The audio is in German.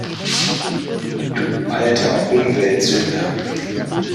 Du alter Umweltsünder!